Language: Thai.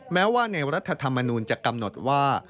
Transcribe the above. แม้ว่าในรัฐธรรมนูลจะกำหนดว่า